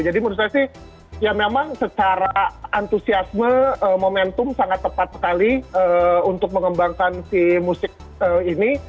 jadi menurut saya sih ya memang secara antusiasme momentum sangat tepat sekali untuk mengembangkan si musik ini